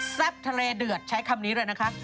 ทะเลเดือดใช้คำนี้เลยนะคะ